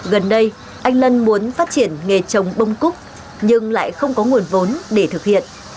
gần đây anh lân muốn phát triển nghề trồng bông cúc nhưng lại không có nguồn vốn để thực hiện